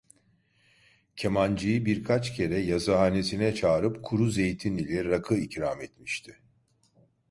Kemancıyı birkaç kere yazıhanesine çağırıp kuru zeytin ile rakı ikram etmişti.